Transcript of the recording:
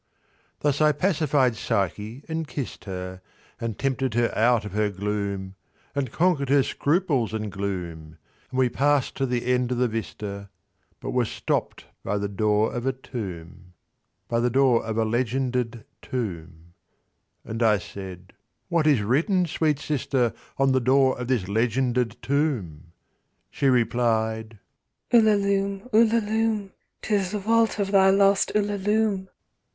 Thus I pacified Psyche and kissed her, And tempted her out of her gloom— And conquered her scruples and gloom; And we passed to the end of the vista— But were stopped by the door of a tomb— By the door of a legended tomb:— And I said—"What is written, sweet sister, On the door of this legended tomb?" She replied—"Ulalume—Ulalume— 'Tis the vault of thy lost Ulalume!"